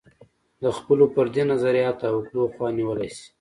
د خپلو فردي نظریاتو او عقدو خوا نیولی شي.